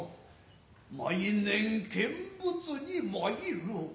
毎年見物に参る。